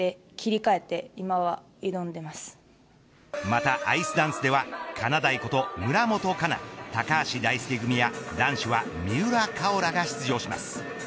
またアイスダンスではかなだいこと村元哉中、高橋大輔組や男子は三浦佳生らが出場します。